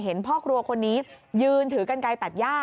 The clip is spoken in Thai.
พ่อครัวคนนี้ยืนถือกันไกลตัดย่า